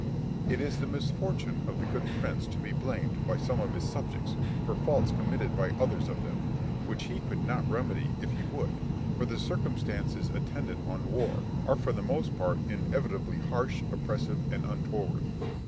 It is the misfortune of the good prince to be blamed by some of his subjects, for faults committed by others of them, which he could not remedy if he would, for the circumstances attendant on war are for the most part inevitably harsh, oppressive, and untoward.